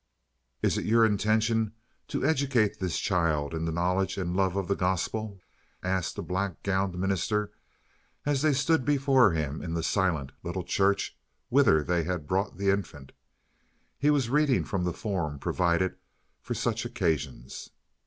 "Is it your intention to educate this child in the knowledge and love of the gospel?" asked the black gowned minister, as they stood before him in the silent little church whither they had brought the infant; he was reading from the form provided for such occasions.